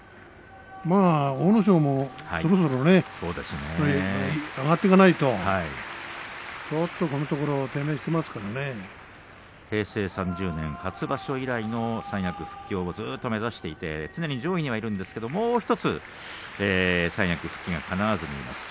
阿武咲もそろそろ上がっていかないと平成３０年初場所以来の三役復帰を目指して常に上にはいるんですがもうひとつ三役復帰がかなわずにいます。